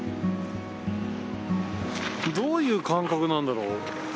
どういう感覚なんだろう。